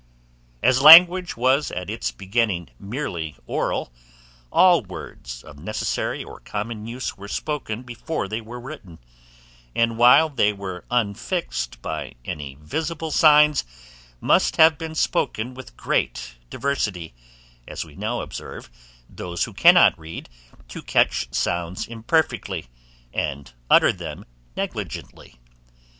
As language was at its beginning merely oral, all words of necessary or common use were spoken before they were written; and while they were unfixed by any visible signs, must have been spoken with great diversity, as we now observe those who cannot read catch sounds imperfectly, and utter them negligently.